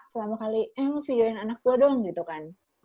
selama kali eh lo videokan anak tua dong gitu kan